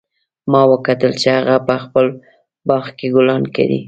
ما وکتل چې هغه په خپل باغ کې ګلان کري